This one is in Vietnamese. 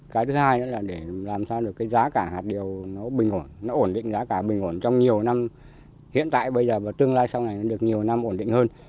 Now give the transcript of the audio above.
cái thứ hai nữa là để làm sao được cái giá cả hạt điều nó bình ổn nó ổn định giá cả bình ổn trong nhiều năm hiện tại bây giờ và tương lai sau này được nhiều năm ổn định hơn